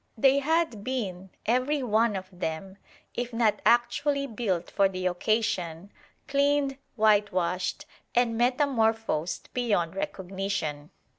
They had been, every one of them, if not actually built for the occasion, cleaned, whitewashed, and metamorphosed beyond recognition.